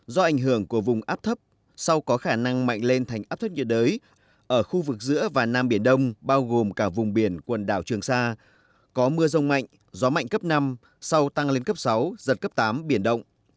do ảnh hưởng của vùng áp thấp sau có khả năng mạnh lên thành áp thấp nhiệt đới ở khu vực giữa và nam biển đông bao gồm cả vùng biển quần đảo trường sa có mưa rông mạnh gió mạnh cấp năm sau tăng lên cấp sáu giật cấp tám biển động